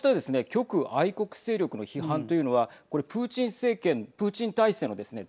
極右愛国勢力の批判というのはこれ、プーチン政権プーチン体制のですね